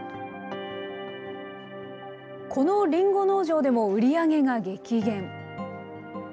このリンゴ農場でも売り上げが激減。